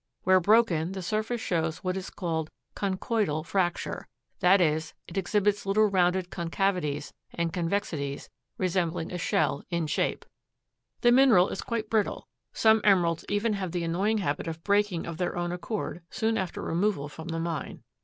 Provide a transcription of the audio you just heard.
Where broken, the surface shows what is called conchoidal fracture, i. e. it exhibits little rounded concavities and convexities resembling a shell in shape. The mineral is quite brittle. Some emeralds even have the annoying habit of breaking of their own accord soon after removal from the mine.